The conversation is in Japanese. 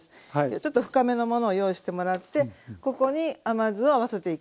ちょっと深めのものを用意してもらってここに甘酢を合わせていきます。